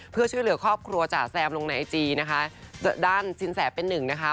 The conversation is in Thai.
เพื่อช่วยเหลือครอบครัวจ๋าแซมลงในไอจีนะคะด้านสินแสเป็นหนึ่งนะคะ